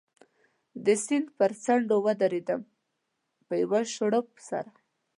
د سیند پر څنډه و درېدم، په یوه شړپ سره.